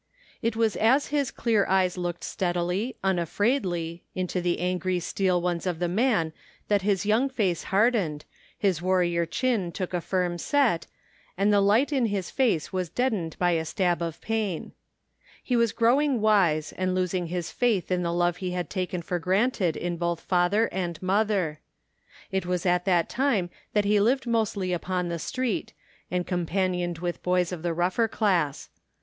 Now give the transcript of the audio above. It was as his clear eyes looked steadily, imafraidly, into the angry steel ones of the man that his young face hardened, his warrior chin took a firm set, and the light in his face was deadened by a stab of pain. He was growing wise and losing his faith in the love he had taken for granted in both father and mother. It was at that time that he lived mostly upon the street, and companioned with boys of the rougher class.